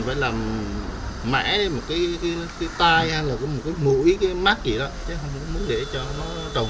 sẽ làm mãi một cái cái tay ăn rồi có một cái mũi cái mắt gì đó chứ không có muốn để cho nó trồng